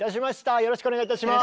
よろしくお願いします。